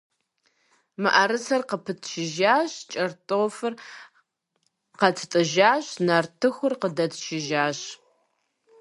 Мыӏэрысэр къыпытчыжащ, кӏэртӏофыр къэттӏыжащ, нартыхур къыдэтчыжащ.